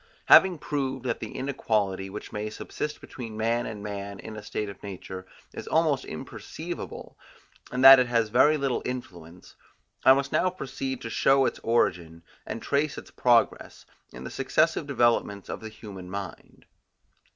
Having proved that the inequality, which may subsist between man and man in a state of nature, is almost imperceivable, and that it has very little influence, I must now proceed to show its origin, and trace its progress, in the successive developments of the human mind.